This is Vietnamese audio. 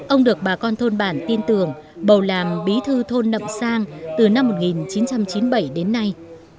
ông được bà con thôn bản tin tưởng bầu làm bí thư thôn nậm sang từ năm một nghìn chín trăm chín mươi bảy đến nay